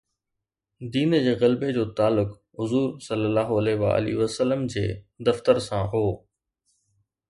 دين جي غلبي جو تعلق حضور ﷺ جي دفتر سان هو.